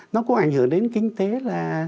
nó cũng ảnh hưởng đến kinh tế là